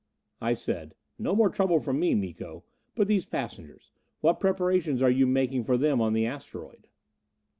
I said, "No more trouble from me, Miko. But these passengers what preparation are you making for them on the asteroid?"